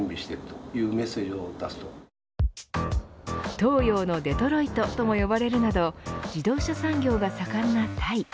東洋のデトロイトとも呼ばれるなど自動車産業が盛んなタイ。